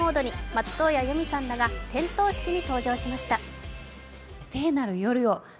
松任谷由実さんらが点灯式に登場しました。